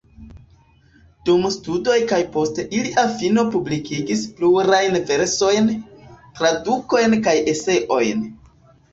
Dum studoj kaj post ilia fino publikigis plurajn versojn, tradukojn kaj eseojn.